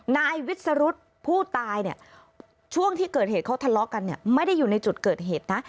นายวิสรุธผู้ตายเนี่ยช่วงที่เกิดเหตุเขาทะเลาะกันเนี่ยไม่ได้อยู่ในจุดเกิดเหตุนะ